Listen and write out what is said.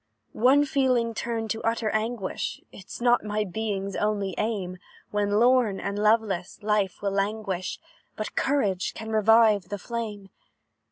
"One feeling turned to utter anguish, Is not my being's only aim; When, lorn and loveless, life will languish, But courage can revive the flame.